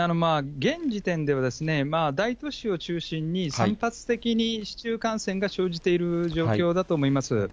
現時点では、大都市を中心に散発的に市中感染が生じている状況だと思います。